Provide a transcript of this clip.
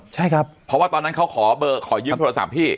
ใช่ครับเพราะว่าตอนนั้นเขาขอเบอร์ขอยืมโทรศัพท์พี่